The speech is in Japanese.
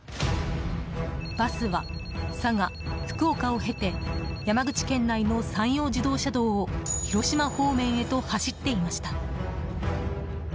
バスは佐賀、福岡を経て山口県内の山陽自動車道を広島方面へと走っていました。